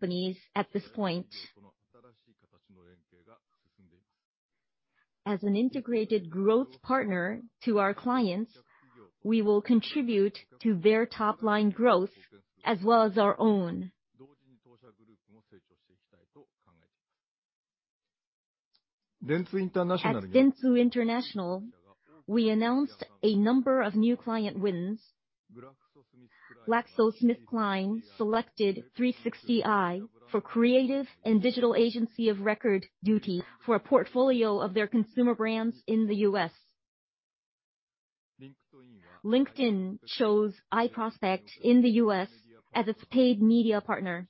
Companies at this point. As an integrated growth partner to our clients, we will contribute to their top-line growth as well as our own. At Dentsu International, we announced a number of new client wins. GlaxoSmithKline selected 360i for creative and digital agency of record duty for a portfolio of their consumer brands in the U.S. LinkedIn chose iProspect in the U.S. as its paid media partner.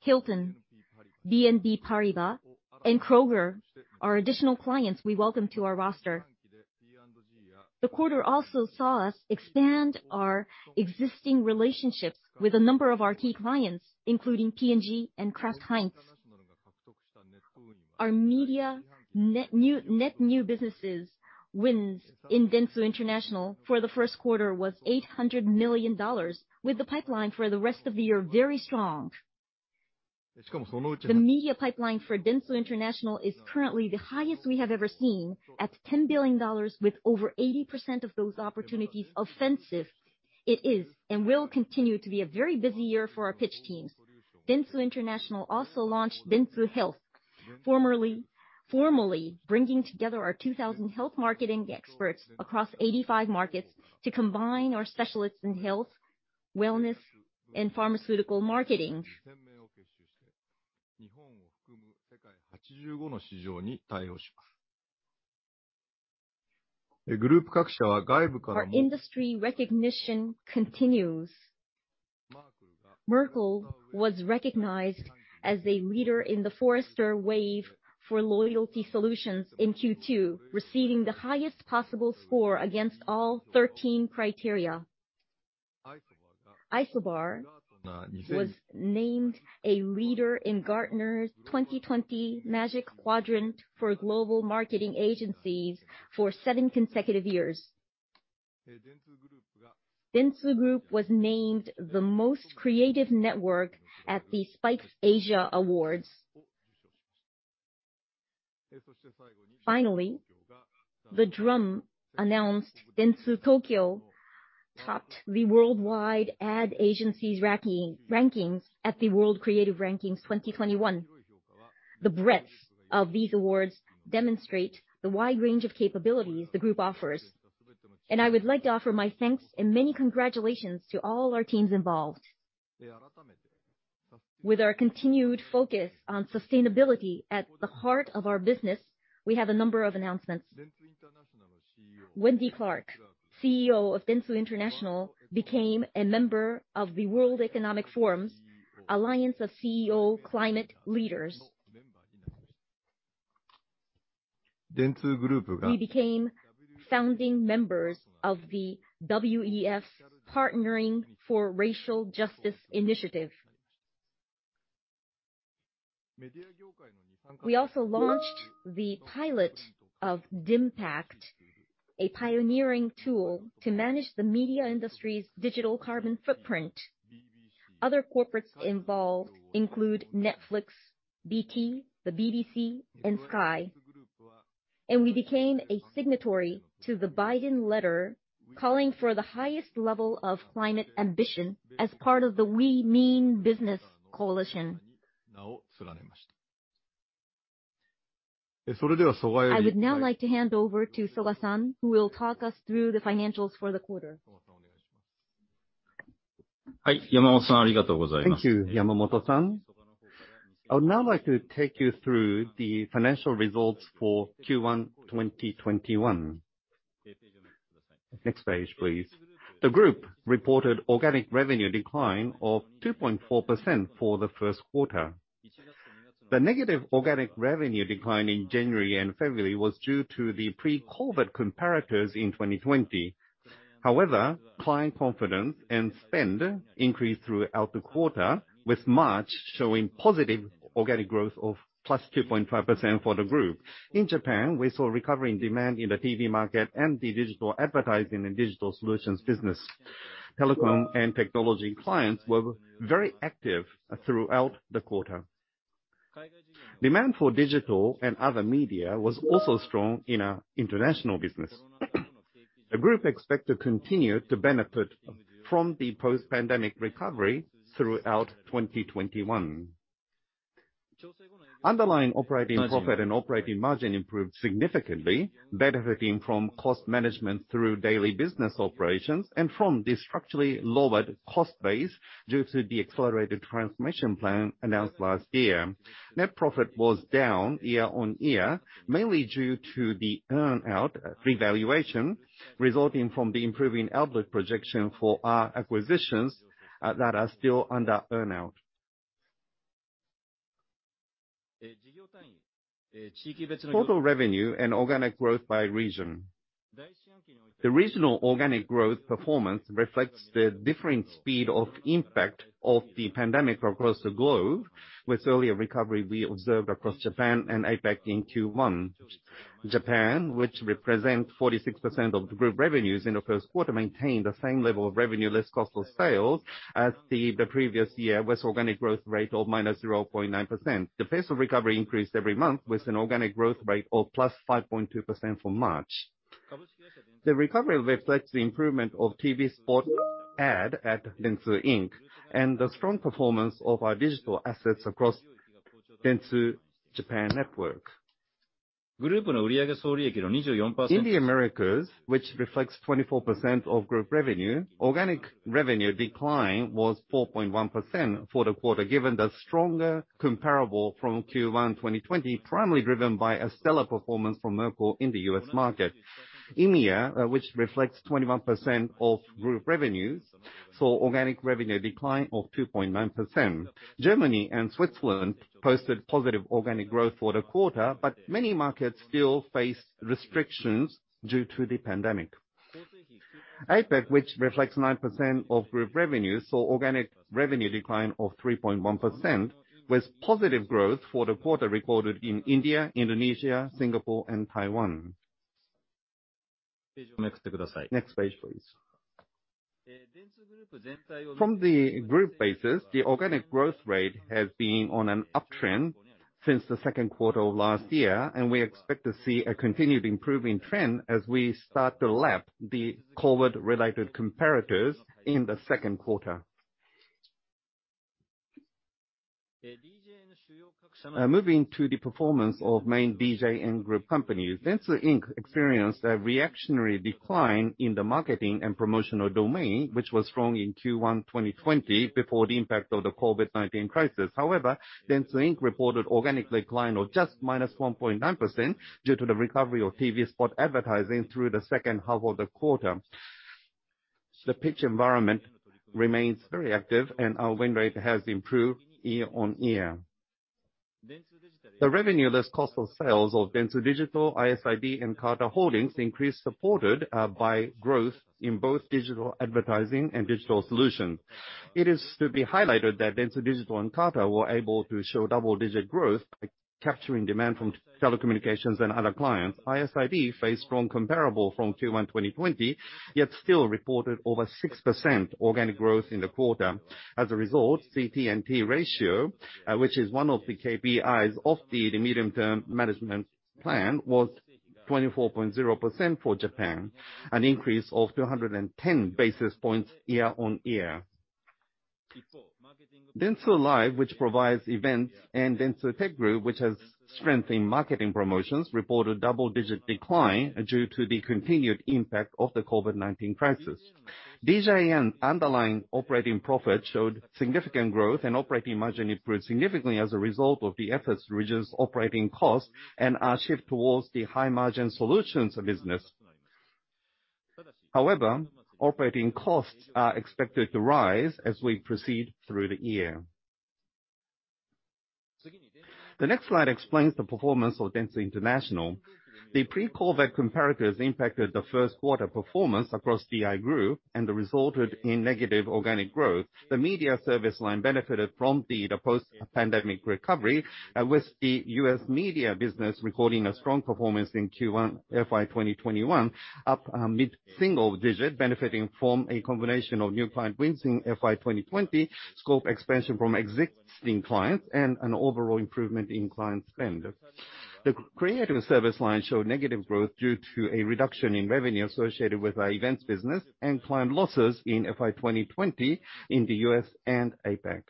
Hilton, BNP Paribas, and Kroger are additional clients we welcome to our roster. The quarter also saw us expand our existing relationships with a number of our key clients, including P&G and Kraft Heinz. Our media net new businesses wins in Dentsu International for the first quarter was $800 million, with the pipeline for the rest of the year very strong. The media pipeline for Dentsu International is currently the highest we have ever seen at $10 billion, with over 80% of those opportunities offensive. It is and will continue to be a very busy year for our pitch teams. Dentsu International also launched dentsu health, formally bringing together our 2,000 health marketing experts across 85 markets to combine our specialists in health, wellness, and pharmaceutical marketing. Our industry recognition continues. Merkle was recognized as a leader in The Forrester Wave for loyalty solutions in Q2, receiving the highest possible score against all 13 criteria. Isobar was named a leader in Gartner's 2020 Magic Quadrant for global marketing agencies for seven consecutive years. Dentsu Group was named the most creative network at the Spikes Asia. Finally, The Drum announced Dentsu Tokyo topped the worldwide ad agencies rankings at the World Creative Rankings 2021. The breadth of these awards demonstrate the wide range of capabilities the group offers, and I would like to offer my thanks and many congratulations to all our teams involved. With our continued focus on sustainability at the heart of our business, we have a number of announcements. Wendy Clark, CEO of Dentsu International, became a member of the World Economic Forum's Alliance of CEO Climate Leaders. We became founding members of the WEF's Partnering for Racial Justice initiative. We also launched the pilot of DIMPACT, a pioneering tool to manage the media industry's digital carbon footprint. Other corporates involved include Netflix, BT, the BBC, and Sky. We became a signatory to the Biden letter, calling for the highest level of climate ambition as part of the We Mean Business coalition. I would now like to hand over to Soga-san, who will talk us through the financials for the quarter. Thank you, Yamamoto-san. I would now like to take you through the financial results for Q1 2021. Next page, please. The group reported organic revenue decline of 2.4% for the first quarter. The negative organic revenue decline in January and February was due to the pre-COVID comparators in 2020. However, client confidence and spend increased throughout the quarter, with March showing positive organic growth of +2.5% for the group. In Japan, we saw recovering demand in the TV market and the digital advertising and digital solutions business. Telecom and technology clients were very active throughout the quarter. Demand for digital and other media was also strong in our international business. The group expects to continue to benefit from the post-pandemic recovery throughout 2021. Underlying operating profit and operating margin improved significantly, benefiting from cost management through daily business operations and from the structurally lowered cost base due to the accelerated transformation plan announced last year. Net profit was down year-over-year, mainly due to the earn-out revaluation resulting from the improving outlook projection for our acquisitions that are still under earn-out. Total revenue and organic growth by region. The regional organic growth performance reflects the different speed of impact of the pandemic across the globe, with earlier recovery we observed across Japan and APAC in Q1. Japan, which represents 46% of the Group revenues in the first quarter, maintained the same level of revenue less cost of sales as the previous year, with organic growth rate of -0.9%. The pace of recovery increased every month, with an organic growth rate of +5.2% from March. The recovery reflects the improvement of TV spot ad at Dentsu Inc., and the strong performance of our digital assets across Dentsu Japan Network. In the Americas, which reflects 24% of group revenue, organic revenue decline was 4.1% for the quarter, given the stronger comparable from Q1 2020, primarily driven by a stellar performance from Merkle in the U.S. market. EMEA, which reflects 21% of group revenues, saw organic revenue decline of 2.9%. Germany and Switzerland posted positive organic growth for the quarter, but many markets still face restrictions due to the pandemic. APAC, which reflects 9% of group revenues, saw organic revenue decline of 3.1%, with positive growth for the quarter recorded in India, Indonesia, Singapore, and Taiwan. Next page, please. From the group basis, the organic growth rate has been on an uptrend since the second quarter of last year, and we expect to see a continued improving trend as we start to lap the COVID-related comparatives in the second quarter. Moving to the performance of main DJN Group companies. Dentsu Inc. experienced a reactionary decline in the marketing and promotional domain, which was strong in Q1 2020 before the impact of the COVID-19 crisis. However, Dentsu Inc. reported organic decline of just -1.9% due to the recovery of TV spot advertising through the second half of the quarter. The pitch environment remains very active, and our win rate has improved year-over-year. The revenue, less cost of sales of Dentsu Digital, ISID, and CARTA HOLDINGS increased, supported by growth in both digital advertising and digital solution. It is to be highlighted that Dentsu Digital and CARTA were able to show double-digit growth by capturing demand from telecommunications and other clients. ISID faced strong comparable from Q1 2020, yet still reported over 6% organic growth in the quarter. As a result, CT&T ratio, which is one of the KPIs of the medium-term management plan, was 24.0% for Japan, an increase of 210 basis points year-on-year. Dentsu Live, which provides events, and Dentsu Tech Group, which has strength in marketing promotions, reported double-digit decline due to the continued impact of the COVID-19 crisis. DJN underlying operating profit showed significant growth and operating margin improved significantly as a result of the efforts to reduce operating costs and our shift towards the high-margin solutions business. Operating costs are expected to rise as we proceed through the year. The next slide explains the performance of Dentsu International. The pre-COVID comparators impacted the first quarter performance across DI Group and resulted in negative organic growth. The media service line benefited from the post-pandemic recovery, with the U.S. media business recording a strong performance in Q1 FY 2021, up mid-single digit, benefiting from a combination of new client wins in FY 2020, scope expansion from existing clients, and an overall improvement in client spend. The creative service line showed negative growth due to a reduction in revenue associated with our events business and client losses in FY 2020 in the U.S. and APAC.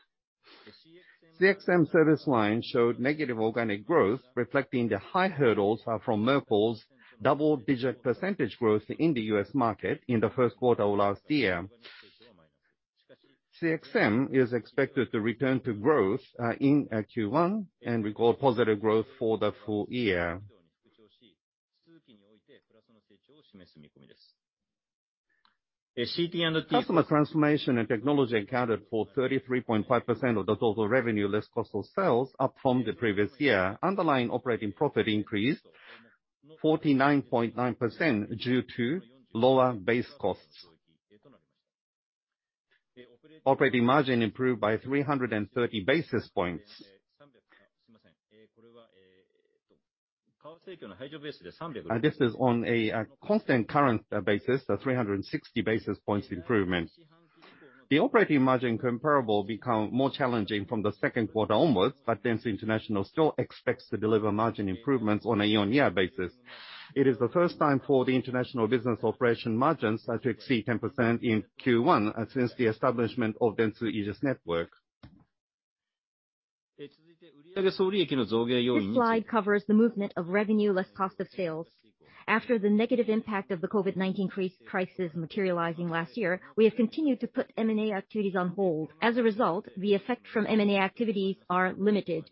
CXM service line showed negative organic growth, reflecting the high hurdles from Merkle's double-digit % growth in the U.S. market in the first quarter of last year. CXM is expected to return to growth in Q1 and record positive growth for the full year. Customer transformation and technology accounted for 33.5% of the total revenue, less cost of sales, up from the previous year. Underlying operating profit increased 49.9% due to lower base costs. Operating margin improved by 330 basis points. This is on a constant current basis, a 360 basis points improvement. The operating margin comparable become more challenging from the second quarter onwards, but Dentsu International still expects to deliver margin improvements on a year-on-year basis. It is the first time for the international business operation margins to exceed 10% in Q1 since the establishment of Dentsu Aegis Network. This slide covers the movement of revenue less cost of sales. After the negative impact of the COVID-19 crisis materializing last year, we have continued to put M&A activities on hold. As a result, the effect from M&A activities are limited.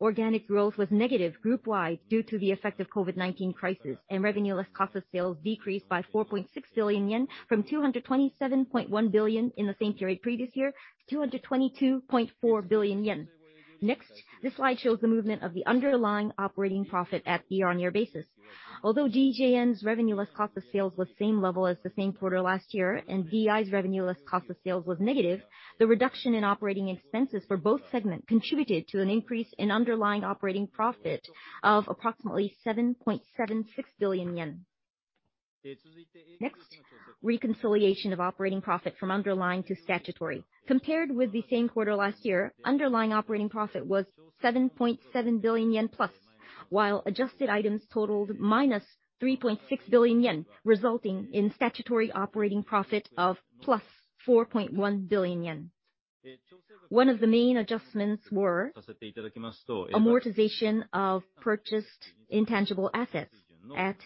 Organic growth was negative group-wide due to the effect of COVID-19 crisis. Revenue less cost of sales decreased by 4.6 billion yen from 227.1 billion in the same period previous year to 222.4 billion yen. This slide shows the movement of the underlying operating profit at the year-on-year basis. DJN's revenue less cost of sales was same level as the same quarter last year. DI's revenue less cost of sales was negative. The reduction in operating expenses for both segment contributed to an increase in underlying operating profit of approximately JPY 7.76 billion. Reconciliation of operating profit from underlying to statutory. Compared with the same quarter last year, underlying operating profit was 7.7 billion yen plus, while adjusted items totaled minus 3.6 billion yen, resulting in statutory operating profit of plus 4.1 billion yen. One of the main adjustments were amortization of purchased intangible assets at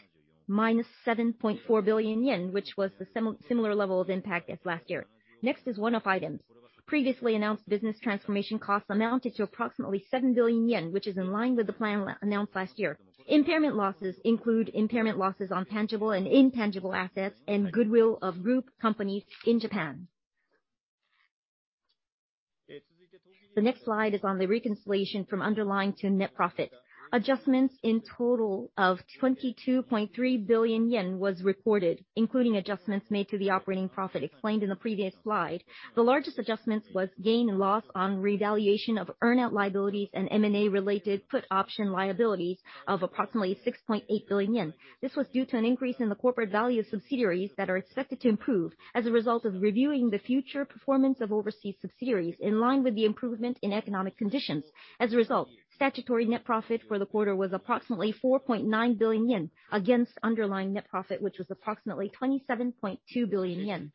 minus 7.4 billion yen, which was a similar level of impact as last year. Next is one-off items. Previously announced business transformation costs amounted to approximately 7 billion yen, which is in line with the plan announced last year. Impairment losses include impairment losses on tangible and intangible assets and goodwill of group companies in Japan. The next slide is on the reconciliation from underlying to net profit. Adjustments in total of 22.3 billion yen was recorded, including adjustments made to the operating profit explained in the previous slide. The largest adjustments was gain and loss on revaluation of earn-out liabilities and M&A related put option liabilities of approximately 6.8 billion yen. This was due to an increase in the corporate value subsidiaries that are expected to improve as a result of reviewing the future performance of overseas subsidiaries in line with the improvement in economic conditions. As a result, statutory net profit for the quarter was approximately 4.9 billion yen against underlying net profit, which was approximately 27.2 billion yen.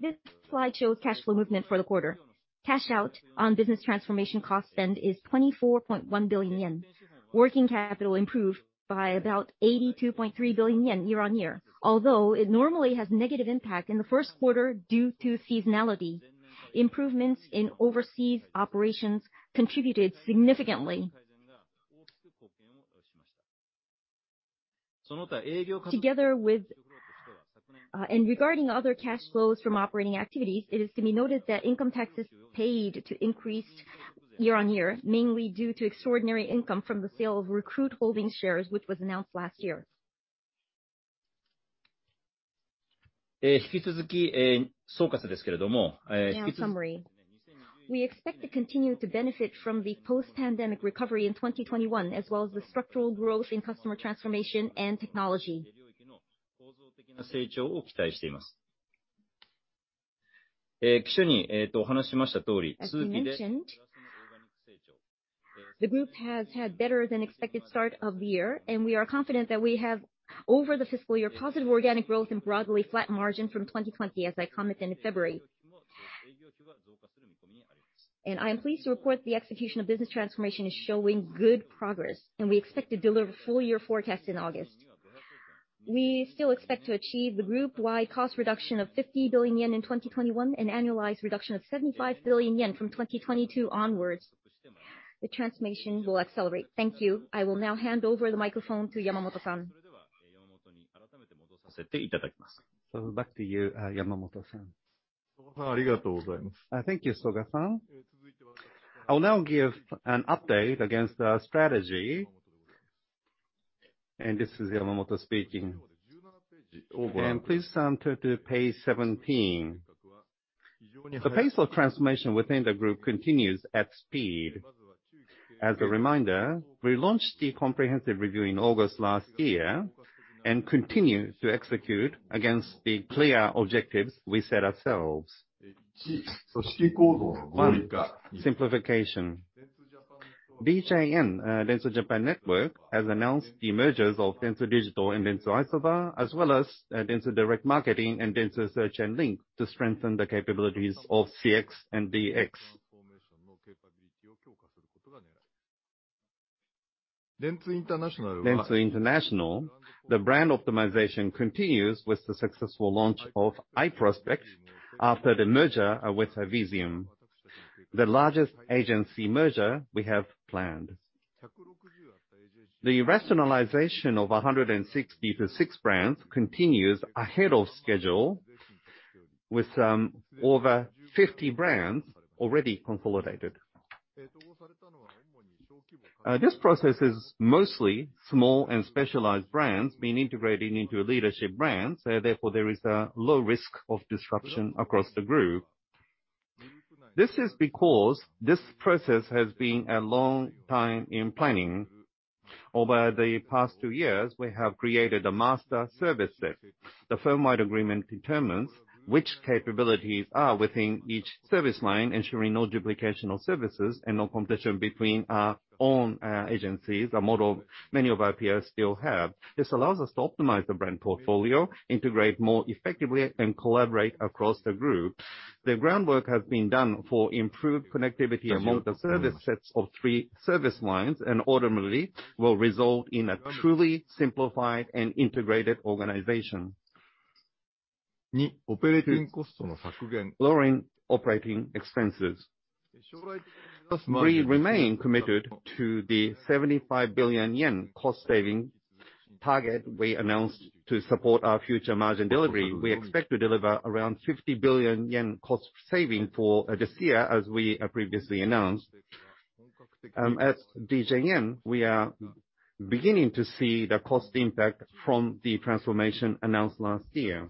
This slide shows cash flow movement for the quarter. Cash out on business transformation cost spend is 24.1 billion yen. Working capital improved by about 82.3 billion yen year-over-year. Although it normally has negative impact in the first quarter due to seasonality, improvements in overseas operations contributed significantly. Regarding other cash flows from operating activities, it is to be noted that income tax is paid to increase year-on-year, mainly due to extraordinary income from the sale of Recruit Holdings shares, which was announced last year. In summary. We expect to continue to benefit from the post-pandemic recovery in 2021, as well as the structural growth in customer transformation and technology. As we mentioned, the group has had better than expected start of the year, and we are confident that we have, over the fiscal year, positive organic growth and broadly flat margin from 2020 as I commented in February. I am pleased to report the execution of business transformation is showing good progress, and we expect to deliver full year forecast in August. We still expect to achieve the group-wide cost reduction of 50 billion yen in 2021 and annualized reduction of 75 billion yen from 2022 onwards. The transformation will accelerate. Thank you. I will now hand over the microphone to Yamamoto-san. Back to you Yamamoto. Thank you, Soga-san. I'll now give an update against our strategy. This is Yamamoto speaking. Please turn to page 17. The pace of transformation within the group continues at speed. As a reminder, we launched the comprehensive review in August last year and continue to execute against the clear objectives we set ourselves. One, simplification. DJN, Dentsu Japan Network, has announced the mergers of Dentsu Digital and Dentsu Isobar, as well as Dentsu Direct Marketing and DA search & link to strengthen the capabilities of CX and DX. Dentsu International, the brand optimization continues with the successful launch of iProspect after the merger with Vizeum, the largest agency merger we have planned. The rationalization of 166 brands continues ahead of schedule with over 50 brands already consolidated. This process is mostly small and specialized brands being integrated into leadership brands. Therefore, there is a low risk of disruption across the group. This is because this process has been a long time in planning. Over the past two years, we have created a master service set. The firm-wide agreement determines which capabilities are within each service line, ensuring no duplication of services and no competition between our own agencies, a model many of our peers still have. This allows us to optimize the brand portfolio, integrate more effectively, and collaborate across the group. The groundwork has been done for improved connectivity among the service sets of three service lines and ultimately will result in a truly simplified and integrated organization. Two, lowering operating expenses. We remain committed to the 75 billion yen cost saving target we announced to support our future margin delivery. We expect to deliver around 50 billion yen cost saving for this year as we previously announced. At DJN, we are beginning to see the cost impact from the transformation announced last year.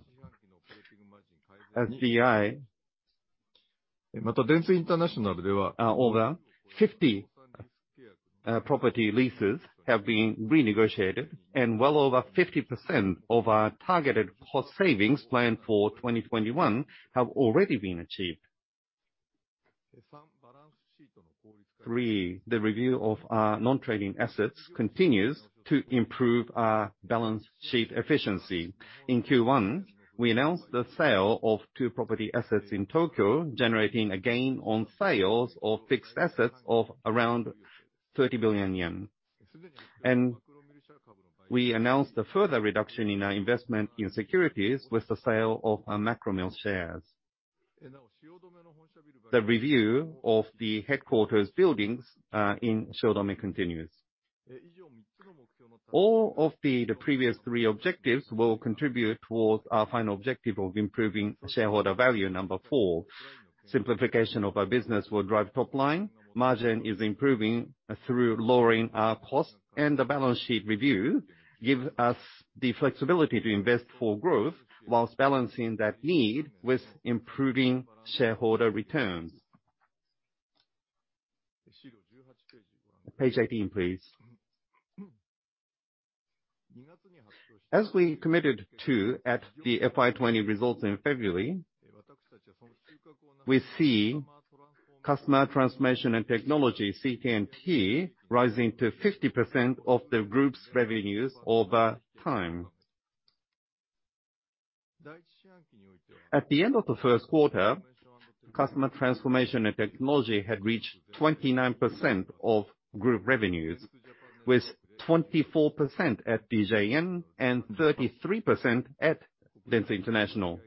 At DI, Dentsu International, over 50 property leases have been renegotiated, and well over 50% of our targeted cost savings planned for 2021 have already been achieved. Three, the review of our non-trading assets continues to improve our balance sheet efficiency. In Q1, we announced the sale of two property assets in Tokyo, generating a gain on sales of fixed assets of around 30 billion yen. We announced a further reduction in our investment in securities with the sale of our Macromill shares. The review of the headquarters buildings in Shiodome continues. All of the previous three objectives will contribute towards our final objective of improving shareholder value. Number four, simplification of our business will drive top line. Margin is improving through lowering our cost. The balance sheet review gives us the flexibility to invest for growth whilst balancing that need with improving shareholder returns. Page 18, please. We committed to at the FY 2020 results in February, we see customer transformation and technology, CT&T, rising to 50% of the group's revenues over time. At the end of the first quarter, customer transformation and technology had reached 29% of group revenues, with 24% at DJN and 33% at Dentsu International.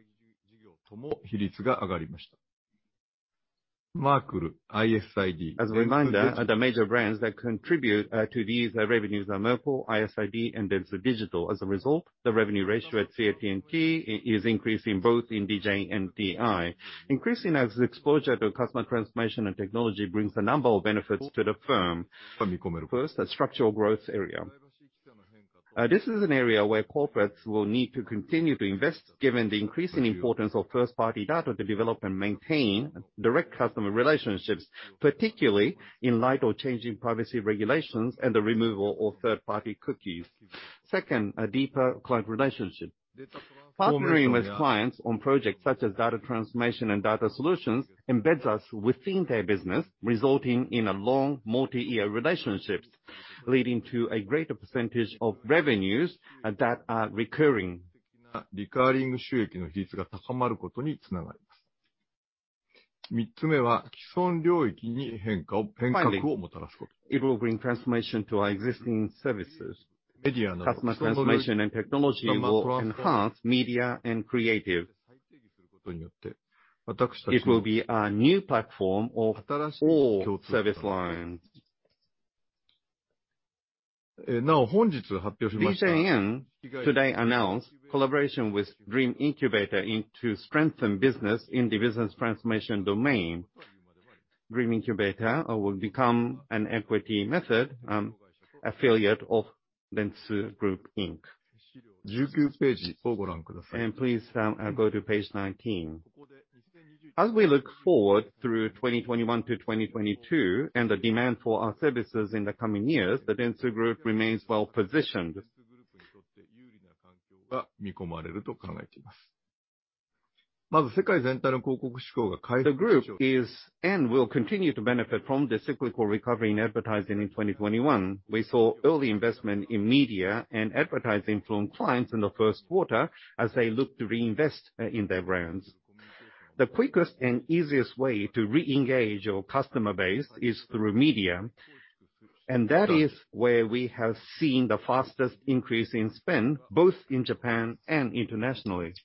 A reminder, the major brands that contribute to these revenues are Merkle, ISID, and Dentsu Digital. The result, the revenue ratio at CT&T is increasing both in DJN and DI. Increasing our exposure to customer transformation and technology brings a number of benefits to the firm. First, a structural growth area. This is an area where corporates will need to continue to invest given the increasing importance of first-party data to develop and maintain direct customer relationships, particularly in light of changing privacy regulations and the removal of third-party cookies. Second, a deeper client relationship. Partnering with clients on projects such as data transformation and data solutions embeds us within their business, resulting in long multi-year relationships, leading to a greater percentage of revenues that are recurring. Finally, it will bring transformation to our existing services. Customer transformation and technology will enhance media and creative. It will be a new platform for service lines. DJN today announced a collaboration with Dream Incubator Inc. to strengthen business in the business transformation domain. Dream Incubator will become an equity method affiliate of Dentsu Group Inc. Please go to page 19. As we look forward through 2021 to 2022 and the demand for our services in the coming years, the Dentsu Group remains well-positioned. The group is and will continue to benefit from the cyclical recovery in advertising in 2021. We saw early investment in media and advertising from clients in the first quarter as they look to reinvest in their brands. The quickest and easiest way to reengage your customer base is through media, and that is where we have seen the fastest increase in spend, both in Japan and internationally.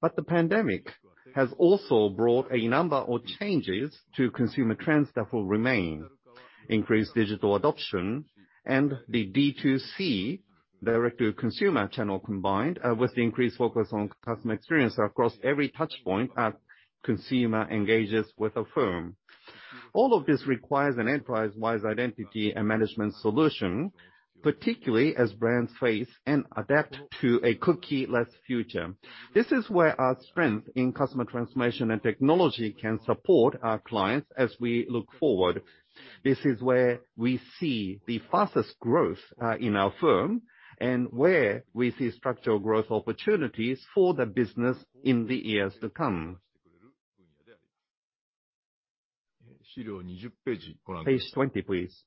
The pandemic has also brought a number of changes to consumer trends that will remain: increased digital adoption and the D2C, direct-to-consumer channel combined with increased focus on customer experience across every touch point as the consumer engages with a firm. All of this requires an enterprise-wide identity and management solution, particularly as brands face and adapt to a cookie-less future. This is where our strength in customer transformation and technology can support our clients as we look forward. This is where we see the fastest growth in our firm and where we see structural growth opportunities for the business in the years to come. Page 20, please.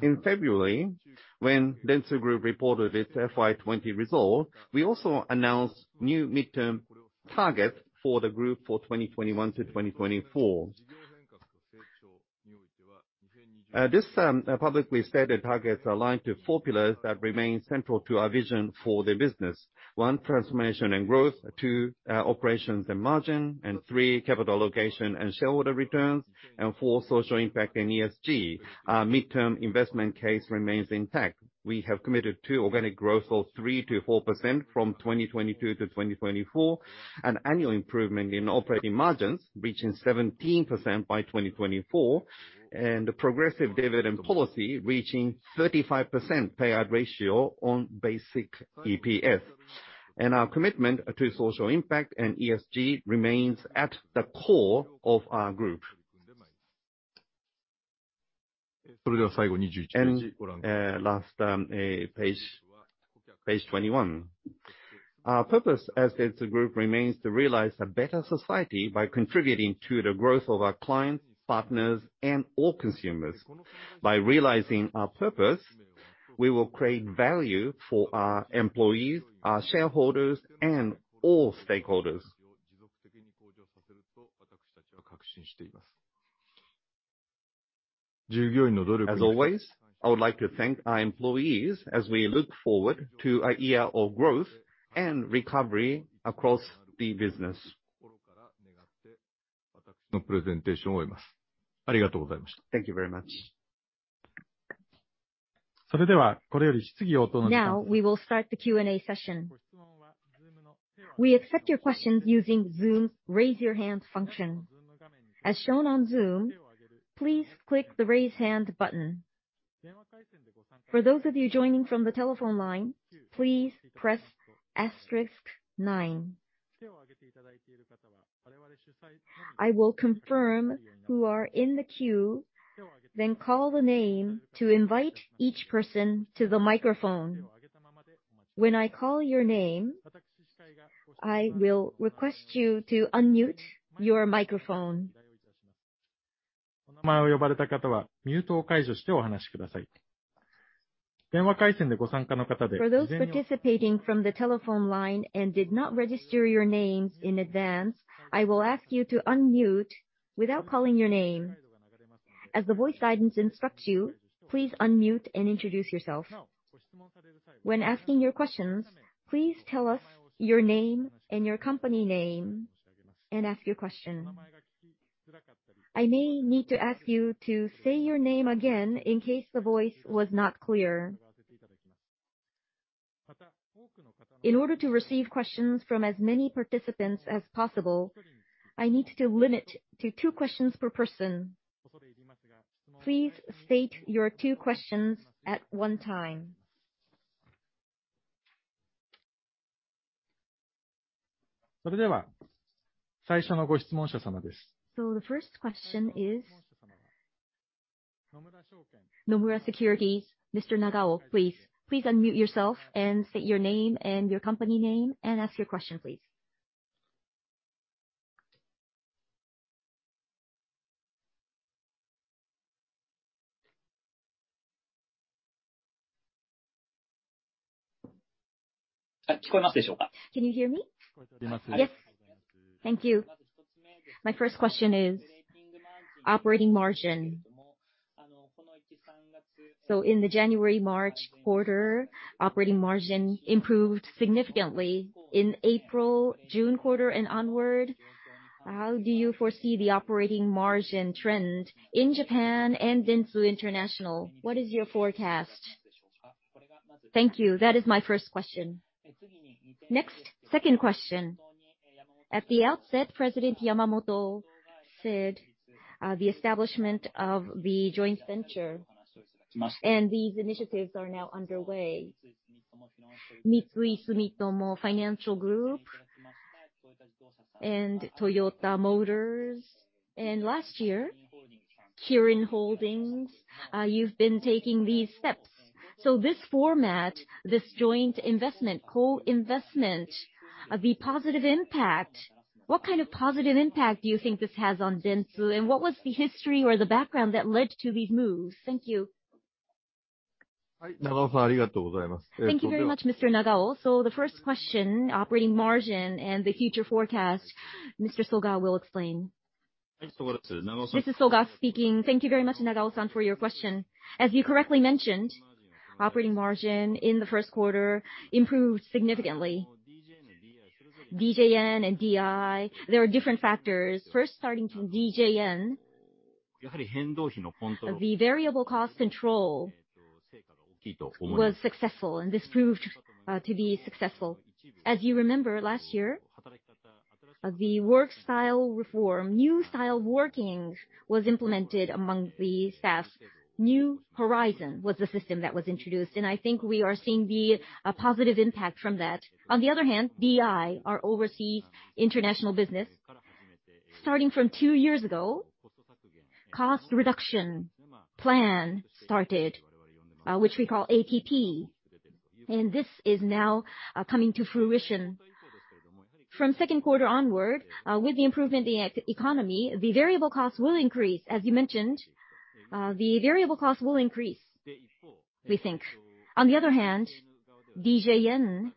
In February, when Dentsu Group reported its FY 2020 results, we also announced new midterm targets for the group for 2021 to 2024. These publicly stated targets are aligned to four pillars that remain central to our vision for the business. One, transformation and growth. Two, operations and margin. Three, capital allocation and shareholder returns. Four, social impact and ESG. Our midterm investment case remains intact. We have committed to organic growth of 3%-4% from 2022-2024. An annual improvement in operating margins reaching 17% by 2024, and a progressive dividend policy reaching 35% payout ratio on basic EPS. Our commitment to social impact and ESG remains at the core of our group. Last, page 21. Our purpose as a group remains to realize a better society by contributing to the growth of our clients, partners, and all consumers. By realizing our purpose, we will create value for our employees, our shareholders, and all stakeholders. As always, I would like to thank our employees as we look forward to a year of growth and recovery across the business. Thank you very much. Now we will start the Q&A session. We accept your questions using Zoom's raise your hand function. As shown on Zoom, please click the raise hand button. For those of you joining from the telephone line, please press asterisk nine. I will confirm who are in the queue, then call the name to invite each person to the microphone. When I call your name, I will request you to unmute your microphone. For those participating from the telephone line and did not register your names in advance, I will ask you to unmute without calling your name. As the voice guidance instructs you, please unmute and introduce yourself. When asking your questions, please tell us your name and your company name and ask your question. I may need to ask you to say your name again in case the voice was not clear. In order to receive questions from as many participants as possible, I need to limit to two questions per person. Please state your two questions at one time. The first question is Nomura Securities, Mr. Nagao, please. Please unmute yourself and state your name and your company name and ask your question, please. Can you hear me? Yes. Thank you. My first question is operating margin. In the January-March quarter, operating margin improved significantly. In April-June quarter and onward, how do you foresee the operating margin trend in Japan and Dentsu International? What is your forecast? Thank you. That is my first question. Next, second question. At the outset, President Yamamoto said the establishment of the joint venture and these initiatives are now underway. Sumitomo Mitsui Financial Group and Toyota Motor, and last year, Kirin Holdings, you've been taking these steps. This format, this joint investment, co-investment, the positive impact, what kind of positive impact do you think this has on Dentsu, and what was the history or the background that led to these moves? Thank you. Thank you very much, Mr. Nagao. The first question, operating margin and the future forecast, Mr. Soga will explain. This is Soga speaking. Thank you very much, Nagao-san, for your question. As you correctly mentioned, operating margin in the first quarter improved significantly. DJN and DI, there are different factors. First, starting from DJN, the variable cost control was successful, and this proved to be successful. As you remember, last year, the work style reform, new style working, was implemented among the staff. New Horizon was the system that was introduced, and I think we are seeing the positive impact from that. DI, our overseas international business, starting from two years ago, cost reduction plan started, which we call ATP. This is now coming to fruition. From second quarter onward, with the improvement in economy, the variable cost will increase. As you mentioned, the variable cost will increase, we think. DJN,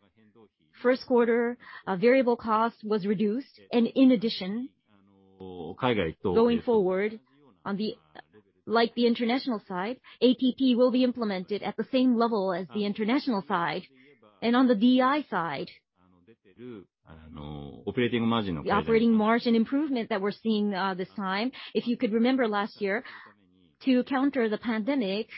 first quarter variable cost was reduced. In addition, going forward, like the international side, ATP will be implemented at the same level as the international side. On the DI side, the operating margin improvement that we're seeing this time, if you could remember last year. To counter the pandemic,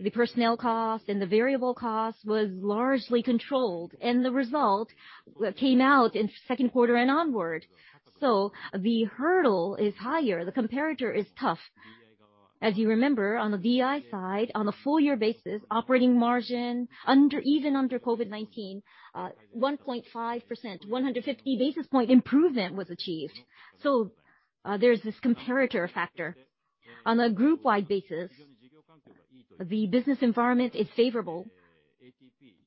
the personnel cost and the variable cost was largely controlled. The result came out in second quarter and onward. The hurdle is higher. The comparator is tough. As you remember, on the DI side, on a full year basis, operating margin, even under COVID-19, 1.5%, 150 basis point improvement was achieved. There's this comparator factor. On a group-wide basis, the business environment is favorable.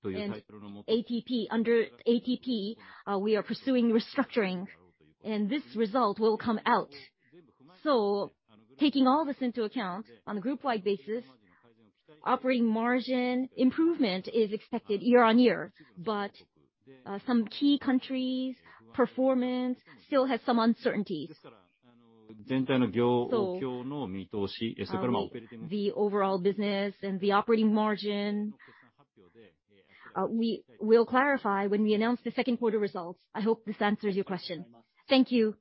Under ATP, we are pursuing restructuring, and this result will come out. Taking all this into account, on a group-wide basis, operating margin improvement is expected year on year. Some key countries' performance still has some uncertainties. The overall business and the operating margin, we will clarify when we announce the second quarter results. I hope this answers your question. Thank you.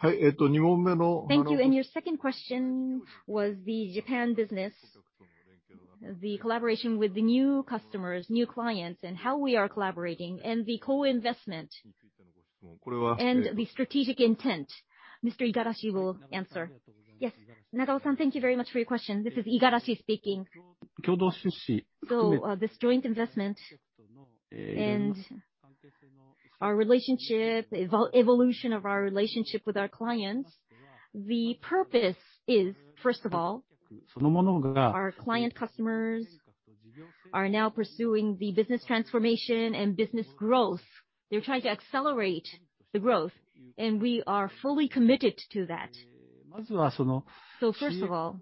Thank you. Your second question was the Japan business, the collaboration with the new customers, new clients, and how we are collaborating, and the co-investment, and the strategic intent. Mr. Igarashi will answer. Yes. Nagao-san, thank you very much for your question. This is Igarashi speaking. This joint investment and evolution of our relationship with our clients, the purpose is, first of all, our client customers are now pursuing the business transformation and business growth. They're trying to accelerate the growth, we are fully committed to that. First of all,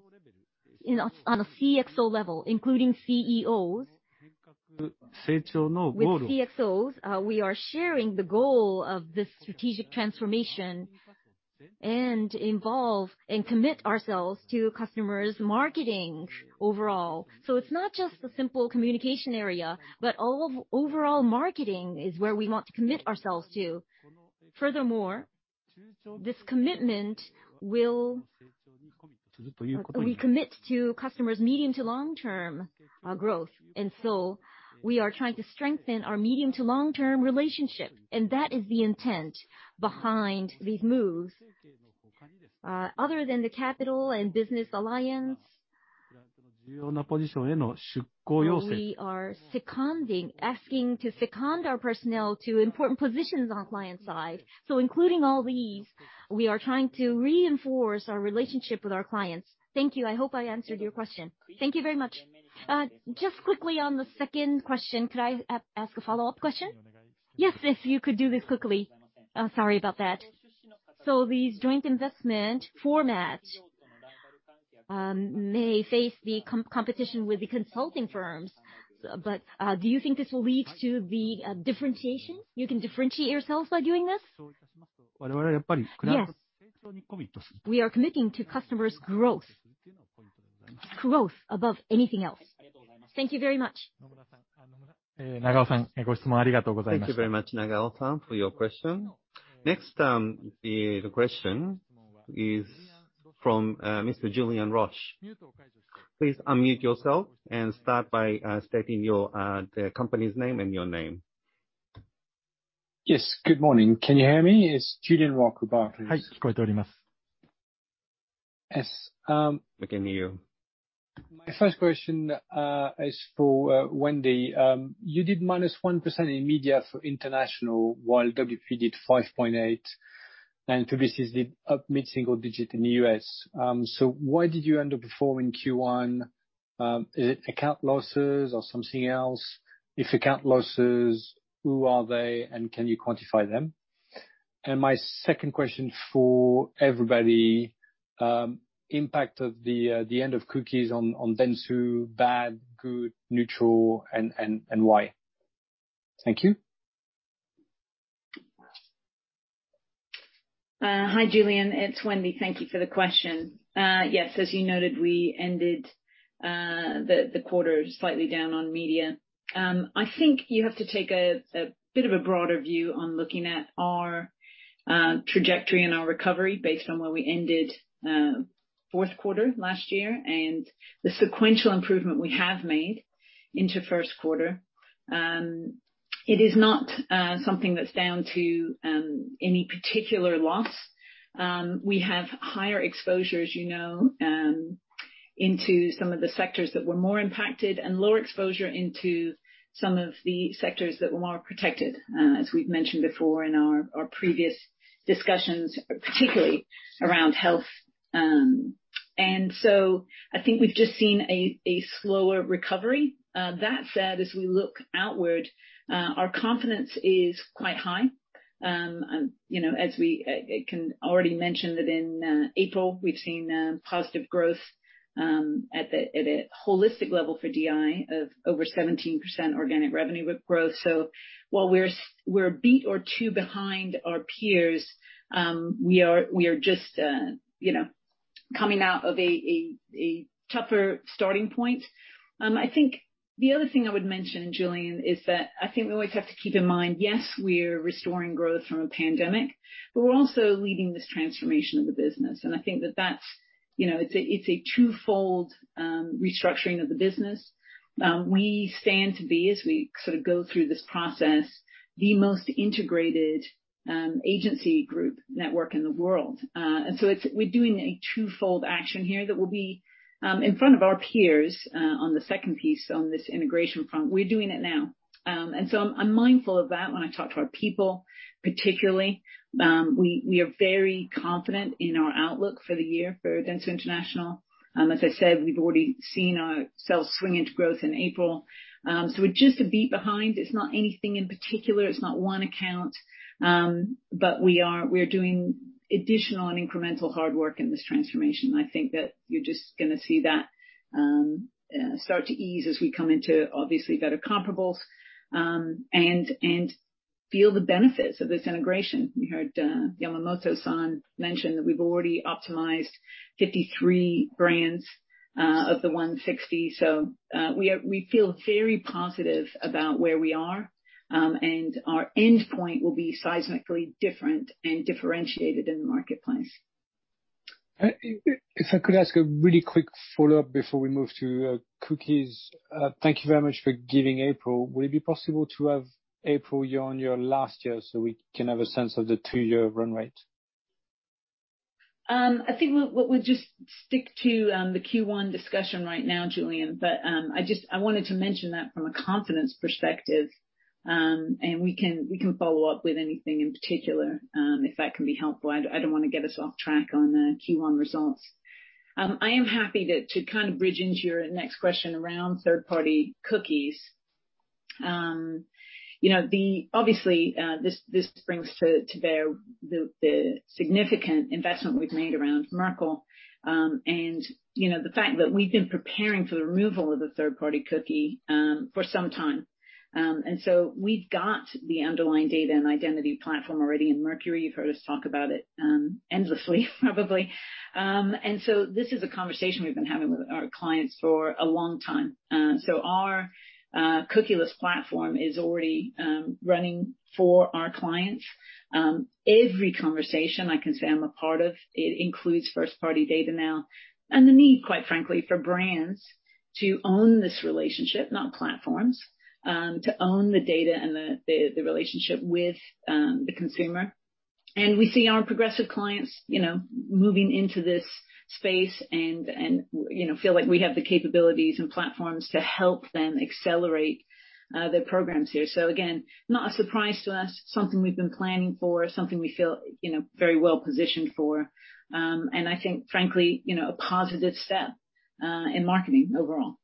on a CXO level, including CEOs, with CXOs, we are sharing the goal of this strategic transformation and involve and commit ourselves to customers' marketing overall. It's not just a simple communication area, but overall marketing is where we want to commit ourselves to. Furthermore, we commit to customers' medium to long-term growth. We are trying to strengthen our medium to long-term relationship, and that is the intent behind these moves. Other than the capital and business alliance, we are asking to second our personnel to important positions on client side. Including all these, we are trying to reinforce our relationship with our clients. Thank you. I hope I answered your question. Thank you very much. Just quickly on the second question, could I ask a follow-up question? Yes, if you could do this quickly. Sorry about that. These joint investment formats may face the competition with the consulting firms, but do you think this will lead to the differentiation? You can differentiate yourselves by doing this? Yes. We are committing to customers' growth. Growth above anything else. Thank you very much. Thank you very much, Nagao-san, for your question. Next, the question is from Mr. Julien Roach. Please unmute yourself and start by stating your company's name and your name. Yes. Good morning. Can you hear me? It's Julian Roach with Barclays. Yes. We can hear you. My first question is for Wendy. You did -1% in media for international, while WPP did 5.8% and Publicis did mid-single digit in the U.S. Why did you underperform in Q1? Is it account losses or something else? If account losses, who are they, and can you quantify them? My second question for everybody, impact of the end of cookies on Dentsu. Bad, good, neutral, and why? Thank you. Hi, Julien. It's Wendy. Thank you for the question. Yes, as you noted, we ended the quarter slightly down on media. I think you have to take a bit of a broader view on looking at our trajectory and our recovery based on where we ended fourth quarter last year and the sequential improvement we have made into first quarter. It is not something that's down to any particular loss. We have higher exposure, as you know, into some of the sectors that were more impacted and lower exposure into some of the sectors that were more protected, as we've mentioned before in our previous discussions, particularly around health. I think we've just seen a slower recovery. That said, as we look outward, our confidence is quite high. As we already mentioned that in April, we've seen positive growth at a holistic level for DI of over 17% organic revenue growth. While we're a beat or two behind our peers, we are just coming out of a tougher starting point. The other thing I would mention, Julien, is that I think we always have to keep in mind, yes, we're restoring growth from a pandemic, but we're also leading this transformation of the business. I think that it's a twofold restructuring of the business. We stand to be, as we go through this process, the most integrated agency group network in the world. We're doing a twofold action here that will be in front of our peers on the second piece on this integration front. We're doing it now. I'm mindful of that when I talk to our people, particularly. We are very confident in our outlook for the year for Dentsu International. As I said, we've already seen ourselves swing into growth in April. We're just a beat behind. It's not anything in particular. It's not one account. We're doing additional and incremental hard work in this transformation, and I think that you're just going to see that start to ease as we come into, obviously, better comparables, and feel the benefits of this integration. You heard Yamamoto-san mention that we've already optimized 53 brands of the 160. We feel very positive about where we are, and our endpoint will be seismically different and differentiated in the marketplace. If I could ask a really quick follow-up before we move to cookies. Thank you very much for giving April. Will it be possible to have April year-on-year last year so we can have a sense of the two year run rate? I think we'll just stick to the Q1 discussion right now, Julien. I wanted to mention that from a confidence perspective, and we can follow up with anything in particular, if that can be helpful. I don't want to get us off track on the Q1 results. I am happy to kind of bridge into your next question around third-party cookies. Obviously, this brings to bear the significant investment we've made around Merkle, and the fact that we've been preparing for the removal of the third-party cookie for some time. We've got the underlying data and identity platform already in Merkury. You've heard us talk about it endlessly, probably. This is a conversation we've been having with our clients for a long time. Our cookieless platform is already running for our clients. Every conversation I can say I'm a part of, it includes first-party data now and the need, quite frankly, for brands to own this relationship, not platforms, to own the data and the relationship with the consumer. We see our progressive clients moving into this space and feel like we have the capabilities and platforms to help them accelerate their programs here. Again, not a surprise to us, something we've been planning for, something we feel very well positioned for. I think, frankly, a positive step in marketing overall.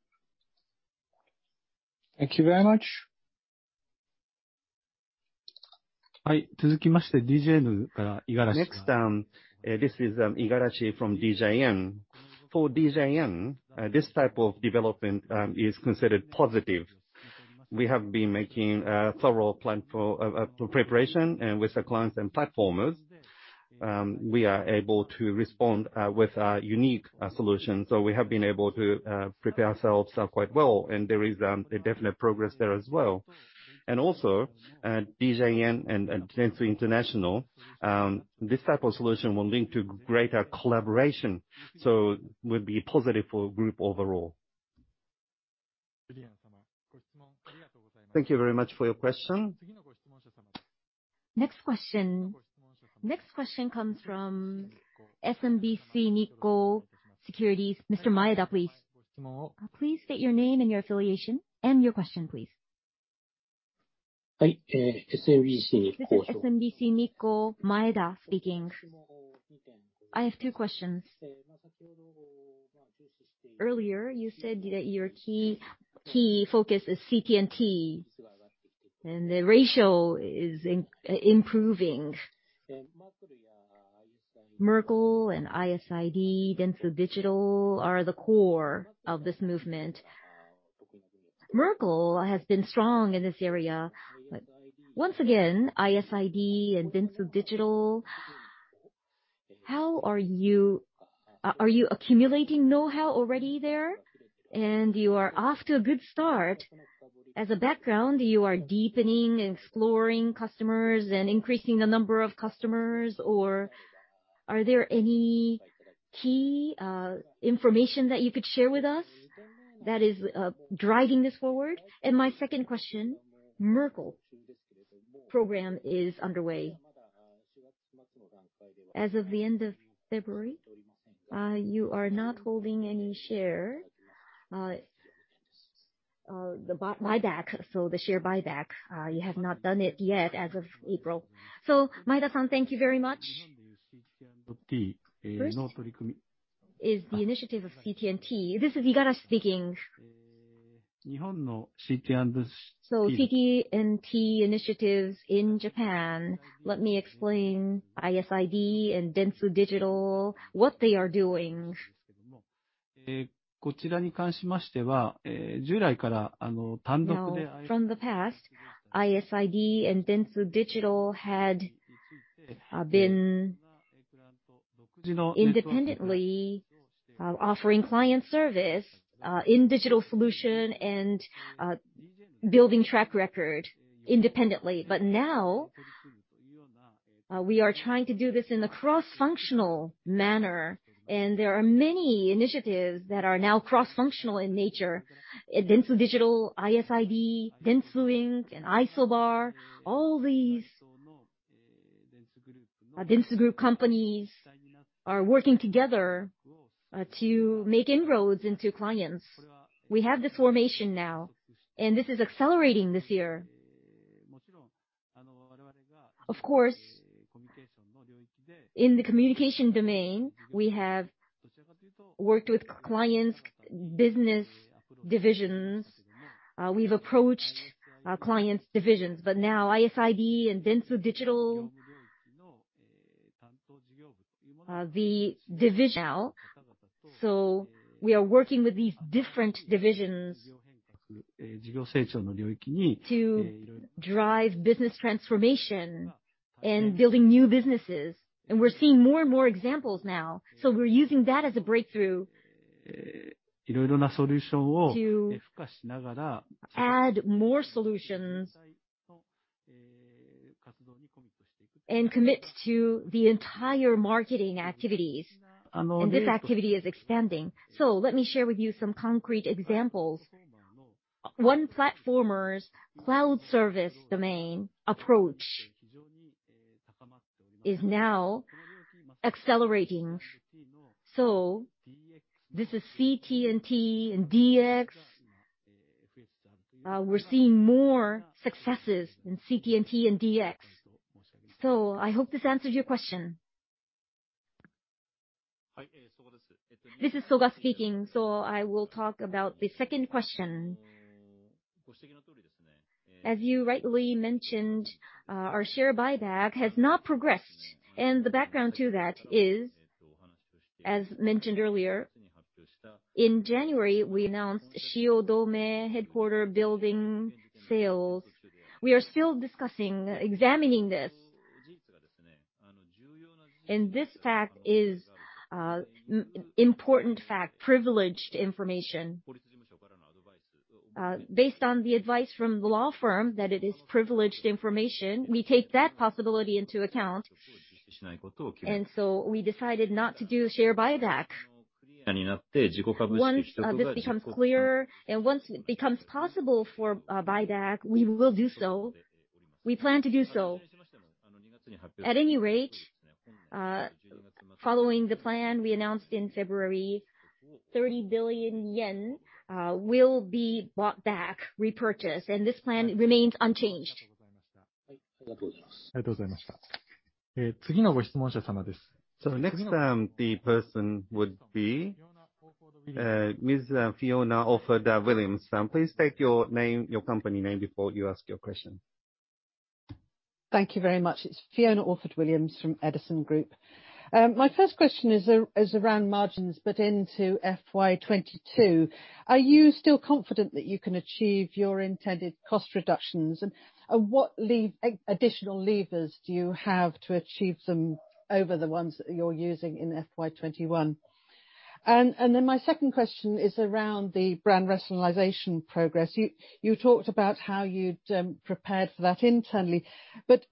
Thank you very much. Next. This is Igarashi from DJN. For DJN, this type of development is considered positive. We have been making a thorough plan for preparation with the clients and platformers. We are able to respond with a unique solution. We have been able to prepare ourselves quite well, and there is a definite progress there as well. Also, DJN and Dentsu International, this type of solution will link to greater collaboration, will be positive for group overall. Thank you very much for your question. Next question comes from SMBC Nikko Securities. Mr. Maeda, please. Please state your name and your affiliation and your question, please. This is SMBC Nikko, Maeda speaking. I have two questions. Earlier you said that your key focus is CT&T, and the ratio is improving. Merkle and ISID, Dentsu Digital are the core of this movement. Merkle has been strong in this area, but once again, ISID and Dentsu Digital, are you accumulating know-how already there? You are off to a good start. As a background, you are deepening and exploring customers and increasing the number of customers, or are there any key information that you could share with us that is driving this forward? My second question, Merkle program is underway. As of the end of February, you are not holding any share. The share buyback, you have not done it yet as of April. Maeda-san, thank you very much. First is the initiative of CT&T. This is Igarashi speaking. CT&T initiatives in Japan, let me explain ISID and Dentsu Digital, what they are doing. Now, from the past, ISID and Dentsu Digital had been independently offering client service in digital solution and building track record independently. Now, we are trying to do this in a cross-functional manner, and there are many initiatives that are now cross-functional in nature. Dentsu Digital, ISID, Dentsu Link, and Isobar, all these Dentsu Group companies are working together to make inroads into clients. We have this formation now, and this is accelerating this year. Of course, in the communication domain, we have worked with clients' business divisions. We've approached our clients' divisions. Now ISID and Dentsu Digital, the division now, we are working with these different divisions to drive business transformation and building new businesses. We're seeing more and more examples now. We're using that as a breakthrough to add more solutions and commit to the entire marketing activities. This activity is expanding. Let me share with you some concrete examples. One platformer's cloud service domain approach is now accelerating. This is CT&T and DX. We're seeing more successes in CT&T and DX. I hope this answers your question. This is Tsubota speaking. I will talk about the second question. As you rightly mentioned, our share buyback has not progressed. The background to that is, as mentioned earlier, in January, we announced Shiodome headquarter building sales. We are still discussing, examining this. This fact is important fact, privileged information. Based on the advice from the law firm that it is privileged information, we take that possibility into account. We decided not to do share buyback. Once this becomes clear, and once it becomes possible for a buyback, we will do so. We plan to do so. At any rate, following the plan we announced in February, 30 billion yen will be bought back, repurchased, and this plan remains unchanged. The next person would be Ms. Fiona Orford-Williams. Please state your name, your company name before you ask your question. Thank you very much. It's Fiona Orford-Williams from Edison Group. My first question is around margins, but into FY 2022. Are you still confident that you can achieve your intended cost reductions? What additional levers do you have to achieve them over the ones that you're using in FY 2021? My second question is around the brand rationalization progress. You talked about how you'd prepared for that internally, but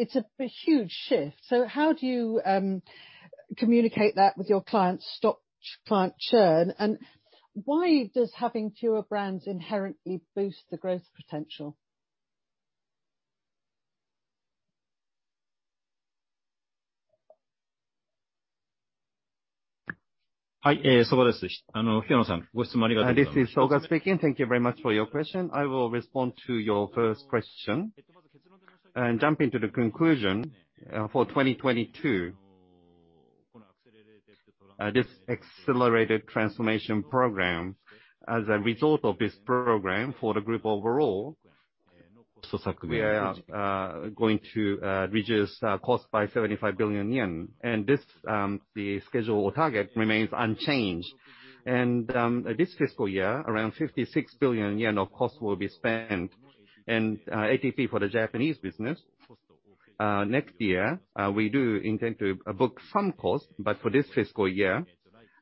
it's a huge shift. How do you communicate that with your client churn? Why does having fewer brands inherently boost the growth potential? This is Tsubota speaking. Thank you very much for your question. I will respond to your first question and jump into the conclusion. For 2022, this Accelerated Transformation Program, as a result of this program for the group overall, we are going to reduce cost by 75 billion yen. The scheduled target remains unchanged. This fiscal year, around 56 billion yen of cost will be spent, and ATP for the Japanese business. Next year, we do intend to book some cost, but for this fiscal year,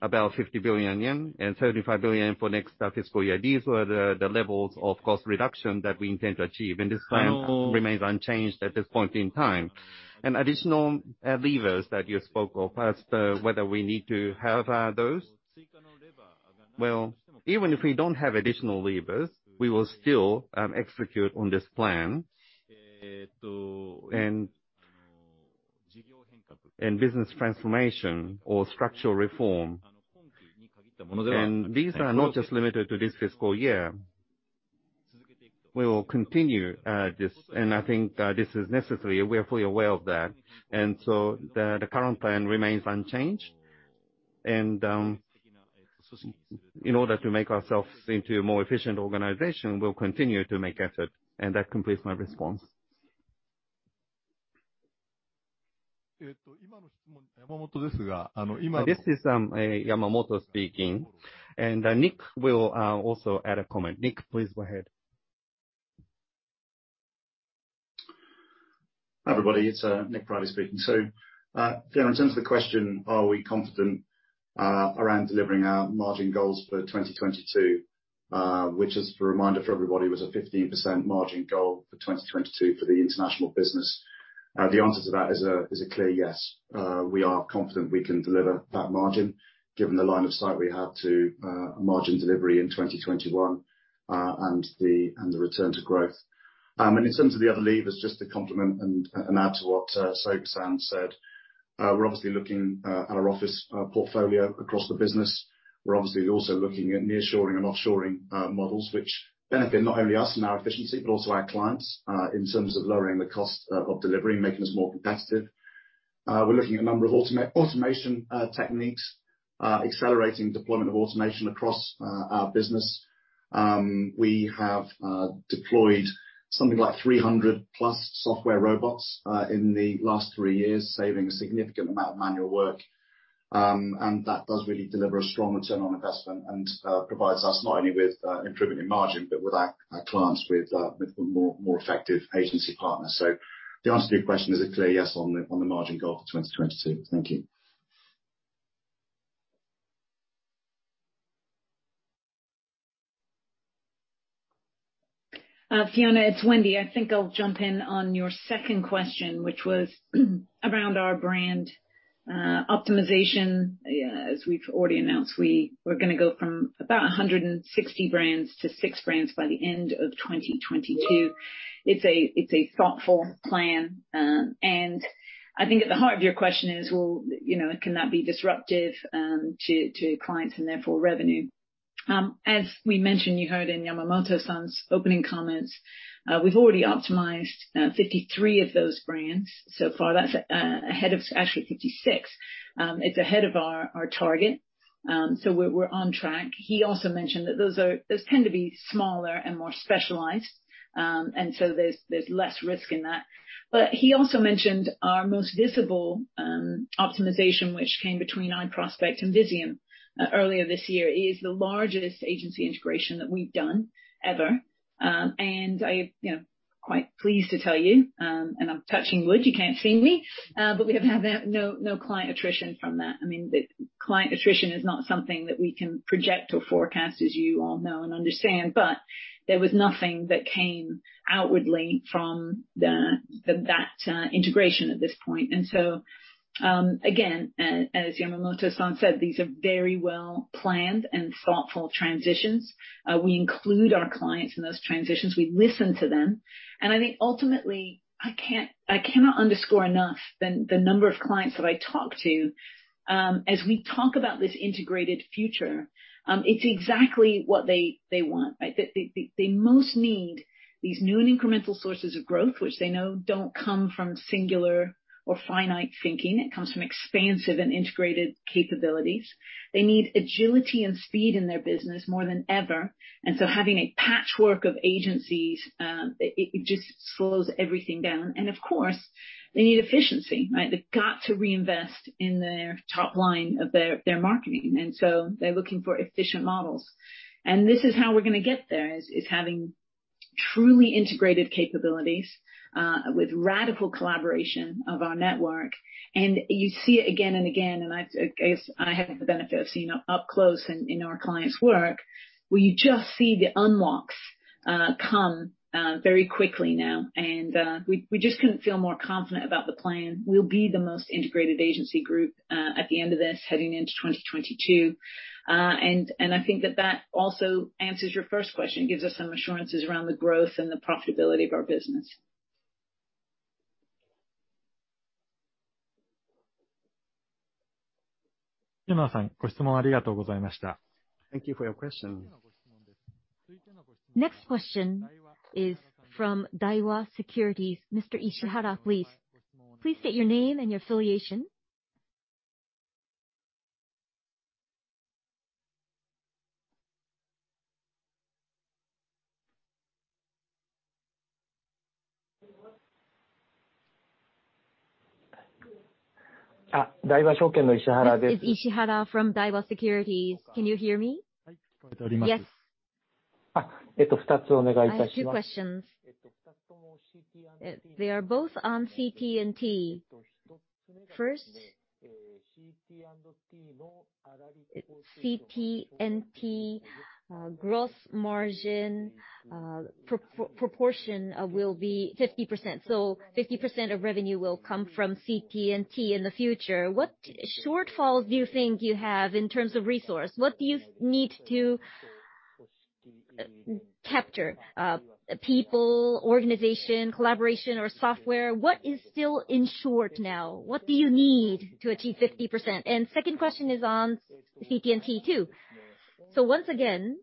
about 50 billion yen and 75 billion for next fiscal year. These were the levels of cost reduction that we intend to achieve, and this plan remains unchanged at this point in time. Additional levers that you spoke of as to whether we need to have those. Well, even if we don't have additional levers, we will still execute on this plan and business transformation or structural reform. These are not just limited to this fiscal year. We will continue this, and I think this is necessary. We are fully aware of that. The current plan remains unchanged. In order to make ourselves into a more efficient organization, we'll continue to make efforts. That completes my response. This is Yamamoto speaking. Nick will also add a comment. Nick, please go ahead. Everybody, it's Nick Priday speaking. Fiona, in terms of the question, are we confident around delivering our margin goals for 2022, which, as a reminder for everybody, was a 15% margin goal for 2022 for the international business. The answer to that is a clear yes. We are confident we can deliver that margin given the line of sight we had to margin delivery in 2021, and the return to growth. In terms of the other levers, just to complement and add to what Soga-san said, we're obviously looking at our office portfolio across the business. We're obviously also looking at nearshoring and offshoring models, which benefit not only us in our efficiency but also our clients, in terms of lowering the cost of delivery, making us more competitive. We're looking at a number of automation techniques, accelerating deployment of automation across our business. We have deployed something like 300 plus software robots in the last three years, saving a significant amount of manual work. That does really deliver a strong return on investment and provides us not only with improvement in margin, but with our clients with more effective agency partners. The answer to your question is a clear yes on the margin goal for 2022. Thank you. Fiona, it's Wendy. I think I'll jump in on your second question, which was around our brand optimization. As we've already announced, we're going to go from about 160 brands to six brands by the end of 2022. It's a thoughtful plan. I think at the heart of your question is, well, can that be disruptive to clients and therefore revenue? As we mentioned, you heard in Yamamoto-san's opening comments, we've already optimized 53 of those brands so far. That's ahead of actually 56. It's ahead of our target. We're on track. He also mentioned that those tend to be smaller and more specialized. There's less risk in that. He also mentioned our most visible optimization, which came between iProspect and Vizeum earlier this year, is the largest agency integration that we've done ever. I am quite pleased to tell you, and I'm touching wood, you can't see me, but we've had no client attrition from that. Client attrition is not something that we can project or forecast, as you all know and understand, but there was nothing that came outwardly from that integration at this point. Again, as Yamamoto-san said, these are very well-planned and thoughtful transitions. We include our clients in those transitions. We listen to them. I think ultimately, I cannot underscore enough the number of clients that I talk to as we talk about this integrated future. It's exactly what they want. They most need these new and incremental sources of growth, which they know don't come from singular or finite thinking. It comes from expansive and integrated capabilities. They need agility and speed in their business more than ever, and so having a patchwork of agencies, it just slows everything down. Of course, they need efficiency. They've got to reinvest in their top line of their marketing. They're looking for efficient models. This is how we're going to get there, is having truly integrated capabilities with radical collaboration of our network. You see it again and again, and I have the benefit of seeing it up close in our clients' work, where you just see the unlocks come very quickly now, and we just couldn't feel more confident about the plan. We'll be the most integrated agency group at the end of this heading into 2022. I think that that also answers your first question. It gives us some assurances around the growth and the profitability of our business. Thank you for your question. Next question is from Daiwa Securities. Mr. Ishihara, please. Please state your name and your affiliation. Ishihara from Daiwa Securities. Can you hear me? Yes. I have two questions. They are both on CT&T. First, CT&T gross margin proportion will be 50%. 50% of revenue will come from CT&T in the future. What shortfalls do you think you have in terms of resource? What do you need to capture? People, organization, collaboration, or software? What is still in short now? What do you need to achieve 50%? Second question is on CT&T, too. Once again,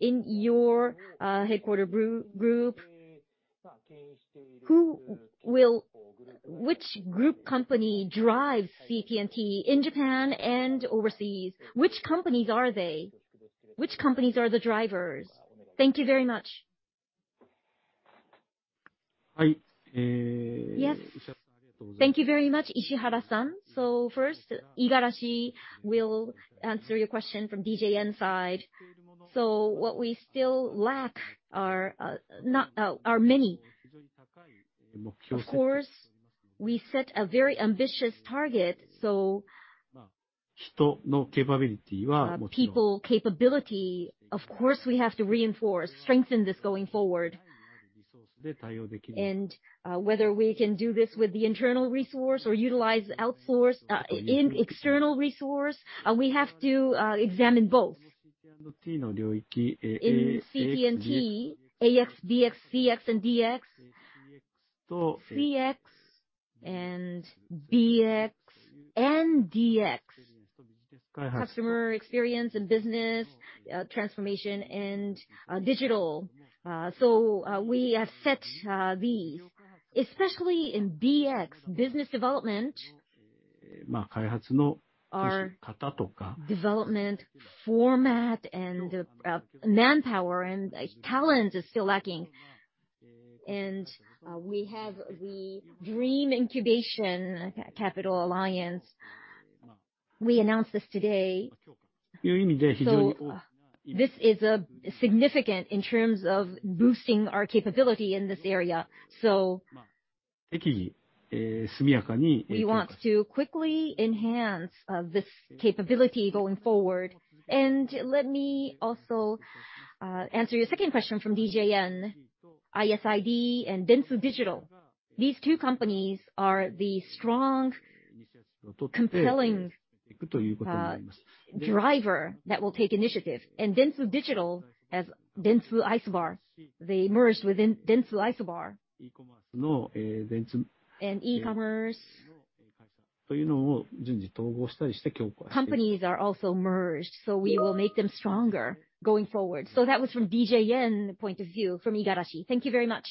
in your headquarter group, which group company drives CT&T in Japan and overseas? Which companies are they? Which companies are the drivers? Thank you very much. Yes. Thank you very much, Ishihara-San. First, Igarashi will answer your question from DJN side. What we still lack are many. Of course, we set a very ambitious target. People capability, of course, we have to reinforce, strengthen this going forward. Whether we can do this with the internal resource or utilize external resource, we have to examine both. In CT&T, AX, BX, CX and DX. CX and BX and DX. Customer experience and business transformation and digital. We have set these, especially in BX, business development, our development format and manpower and talent is still lacking. We have the Dream Incubation capital alliance. We announced this today. This is significant in terms of boosting our capability in this area. We want to quickly enhance this capability going forward. Let me also answer your second question from DJN, ISID, and Dentsu Digital. These two companies are the strong, compelling driver that will take initiative. Dentsu Digital, as Dentsu Isobar, they merge with Dentsu Isobar. E-commerce companies are also merged. We will make them stronger going forward. That was from DJN point of view, from Igarashi. Thank you very much.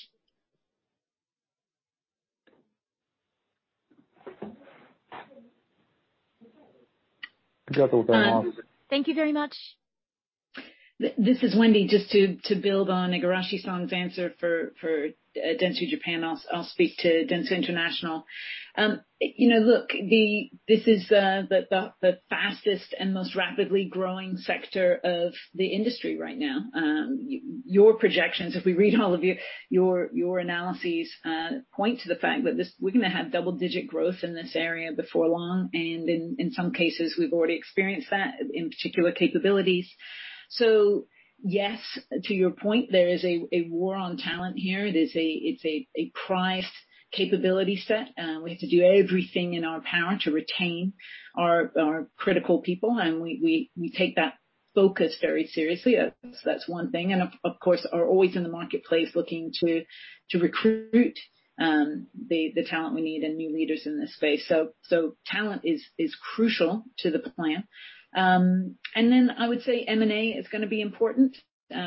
Thank you very much. This is Wendy. Just to build on Igarashi-san's answer for Dentsu Japan, I'll speak to Dentsu International. Look, this is the fastest and most rapidly growing sector of the industry right now. Your projections, if we read all of your analyses, point to the fact that we're going to have double-digit growth in this area before long, and in some cases, we've already experienced that, in particular capabilities. Yes, to your point, there is a war on talent here. It's a prized capability set, and we have to do everything in our power to retain our critical people, and we take that focus very seriously. That's one thing, and of course, are always in the marketplace looking to recruit the talent we need and new leaders in this space. Talent is crucial to the plan. I would say M&A is going to be important.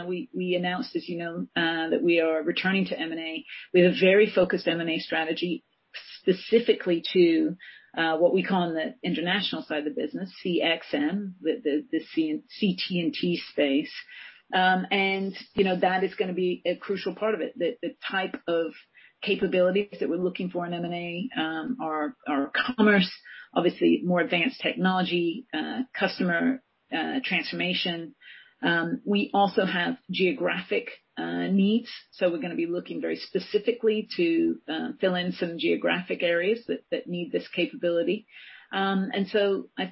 We announced, as you know, that we are returning to M&A. We have a very focused M&A strategy specifically to what we call on the international side of the business, CXM, the CT&T space. That is going to be a crucial part of it. The type of capabilities that we're looking for in M&A are commerce, obviously more advanced technology, customer transformation. We also have geographic needs. We're going to be looking very specifically to fill in some geographic areas that need this capability. I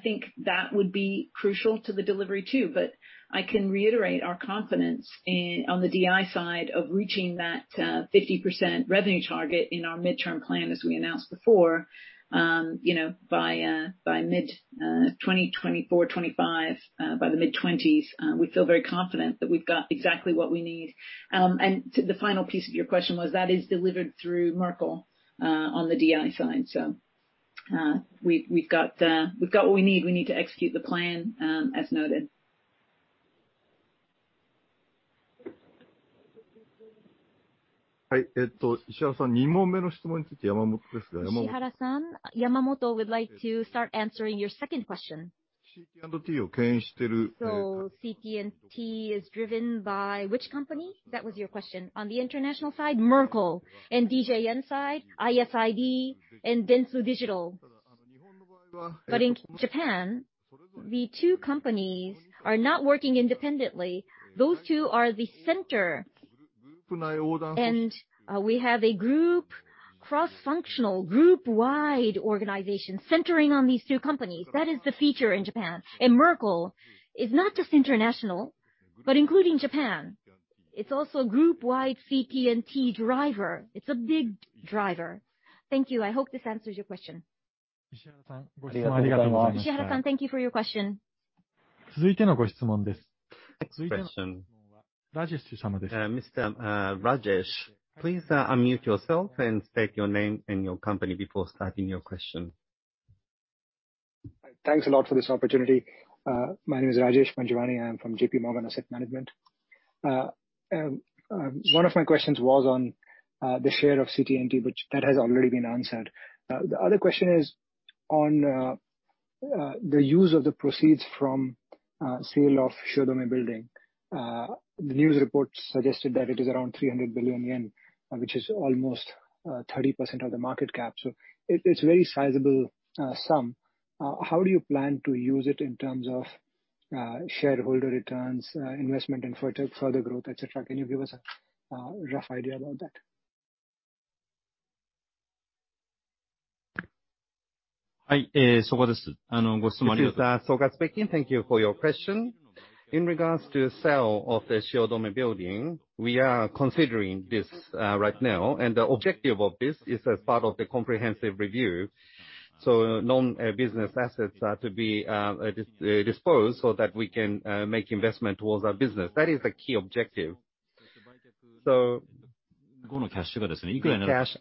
think that would be crucial to the delivery too. I can reiterate our confidence on the DI side of reaching that 50% revenue target in our midterm plan, as we announced before, by mid-2024, 2025, by the mid-20s. We feel very confident that we've got exactly what we need. The final piece of your question was that is delivered through Merkle on the DI side. We've got what we need. We need to execute the plan as noted. Ishihara-san, Yamamoto would like to start answering your second question. CT&T is driven by which company? That was your question. On the international side, Merkle, and DJN side, ISID and Dentsu Digital. In Japan, the two companies are not working independently. Those two are the center. We have a group, cross-functional, group-wide organization centering on these two companies. That is the feature in Japan. Merkle is not just international, but including Japan. It's also a group-wide CT&T driver. It's a big driver. Thank you. I hope this answers your question. Ishihara-san, thank you for your question. Next question. Mr. Rajesh, please unmute yourself and state your name and your company before starting your question. Thanks a lot for this opportunity. My name is Rajesh Manwani, I'm from J.P. Morgan Asset Management. One of my questions was on the share of CT&T. That has already been answered. The other question is on the use of the proceeds from sale of Shiodome Building. The news reports suggested that it is around 300 billion yen, which is almost 30% of the market cap. It's a very sizable sum. How do you plan to use it in terms of shareholder returns, investment and further growth, et cetera? Can you give us a rough idea about that? This is Soga speaking. Thank you for your question. In regards to the sale of the Shiodome building, we are considering this right now. The objective of this is a part of the comprehensive review. Non-business assets are to be disposed so that we can make investment towards our business. That is the key objective. The cash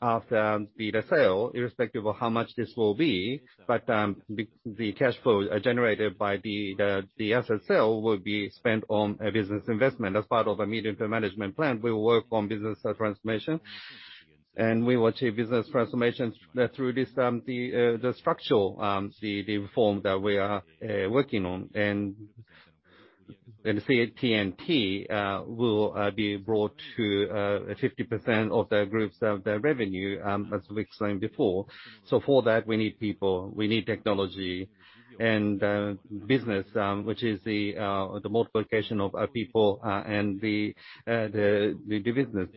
after the sale, irrespective of how much this will be, but the cash flows generated by the assets sale will be spent on business investment. As part of a medium-term management plan, we work on business transformation, and we will achieve business transformation through the structural reform that we are working on. The TMT will be brought to 50% of the group's revenue, as we explained before. For that, we need people, we need technology, and business which is the multiplication of our people and the business.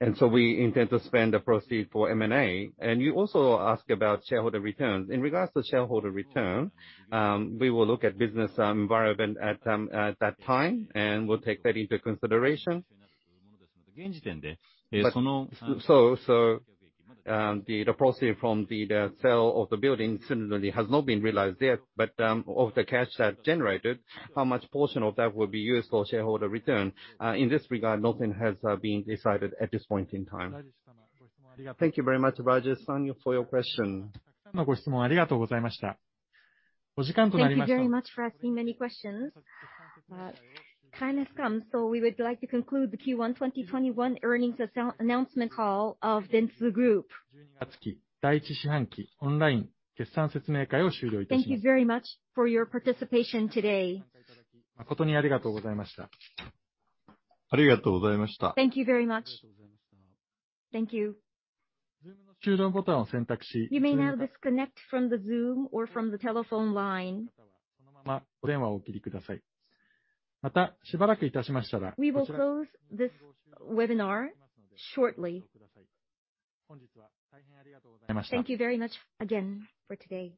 We intend to spend the proceeds for M&A. You also ask about shareholder returns. In regard to shareholder return, we will look at business environment at that time, and we'll take that into consideration. The proceeds from the sale of the building similarly has not been realized yet. Of the cash that's generated, what portion of that will be used for shareholder return? In this regard, nothing has been decided at this point in time. Thank you very much, Rajesh San, for your question. Thank you very much for asking many questions. Time has come, so we would like to conclude the Q1 2021 earnings announcement call of Dentsu Group. Thank you very much for your participation today. Thank you very much. Thank you. You may now disconnect from the Zoom or from the telephone line. We will close this webinar shortly. Thank you very much again for today.